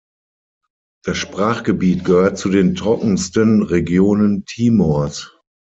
Das Sprachgebiet gehört zu den trockensten Regionen Timors.